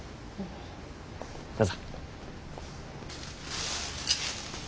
どうぞ。